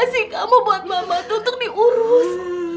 allah itu kasih kamu buat mama tuh untuk diurus